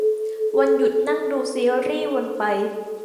วันหยุดนั่งดูซีรีย์วนไป